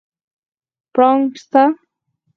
پړانګ سته؟